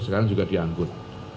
sekarang juga diangkut